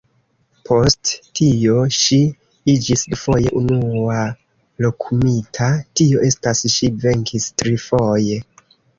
Post tio, ŝi iĝis dufoje unua-lokumita, tio estas ŝi venkis trifoje!